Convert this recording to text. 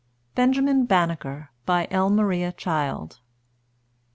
BENJAMIN BANNEKER. BY L. MARIA CHILD.